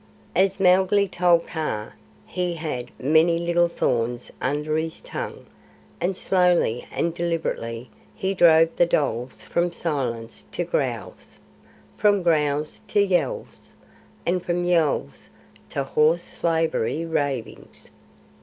As Mowgli told Kaa, he had many little thorns under his tongue, and slowly and deliberately he drove the dholes from silence to growls, from growls to yells, and from yells to hoarse slavery ravings.